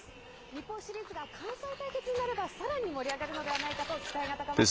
日本シリーズが関西対決になればさらに盛り上がるのではないかと期待が高まっています。